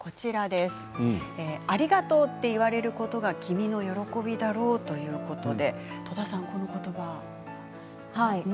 ありがとうって言われることが君の喜びだろうということで戸田さん、この言葉は？